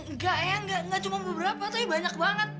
nggak ya gak cuma beberapa tapi banyak banget